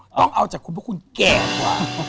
ต้องเอาจากคุณเพราะคุณแก่กว่า